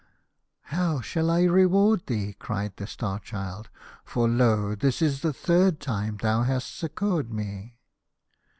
" How shall I reward thee," cried the Star Child, " for lo ! this is the third time thou hast succoured me."